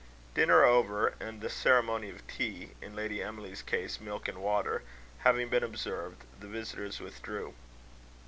Dinner over, and the ceremony of tea in Lady Emily's case, milk and water having been observed, the visitors withdrew.